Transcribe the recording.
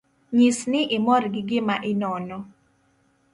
Nyis ni imor gi gima inono